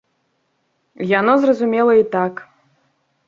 Яно зразумела і так.